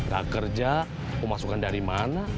nah kerja pemasukan dari mana